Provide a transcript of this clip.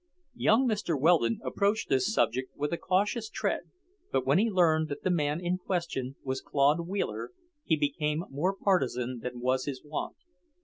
Young Mr. Weldon approached this subject with a cautious tread, but when he learned that the man in question was Claude Wheeler, he became more partisan than was his wont.